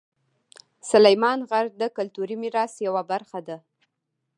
سلیمان غر د کلتوري میراث یوه برخه ده.